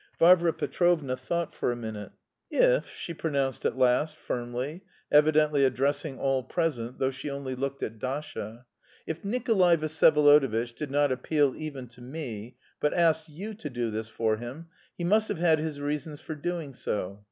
Varvara Petrovna thought for a minute: "If," she pronounced at last firmly, evidently addressing all present, though she only looked at Dasha, "if Nikolay Vsyevolodovitch did not appeal even to me but asked you to do this for him, he must have had his reasons for doing so.